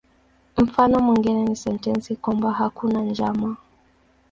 Mfano mwingine ni sentensi kwamba "hakuna njama".